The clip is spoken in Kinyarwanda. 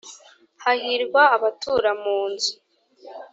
hahirwa abatura mu nzu